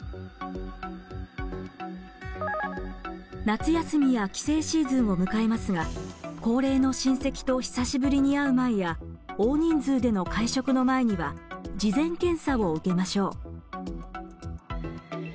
夏休みや帰省シーズンを迎えますが高齢の親戚と久しぶりに会う前や大人数での会食の前には事前検査を受けましょう。